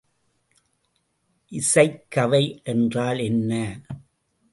இசைக்கவை என்றால் என்ன?